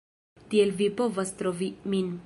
Tiel vi povas trovi min